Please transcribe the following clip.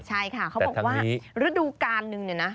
ใช่ค่ะเขาบอกว่าฤดูการนึงเนี่ยนะ